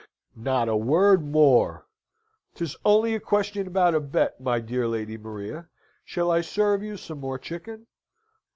"Not a word more. 'Tis only a question about a bet, my dear Lady Maria. Shall I serve you some more chicken?"